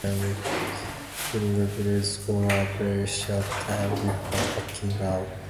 He revved for a very short time before backing up.